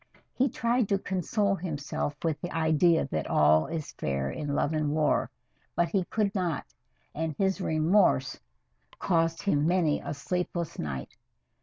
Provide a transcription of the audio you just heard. He tried to console himself with the idea that all is fair in love and war, but he could not, and his remorse caused him many a sleepless night.